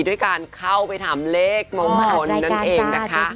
ด้วยการเข้าไปทำเลขมองเอาหนึ่งนั่นเองนะคะ